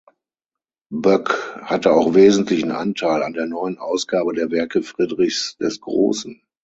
Boeckh hatte auch wesentlichen Anteil an der neuen Ausgabe der Werke Friedrichs des Großen.